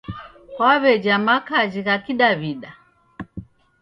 Kwaw'eja makaji gha Kidaw'ida?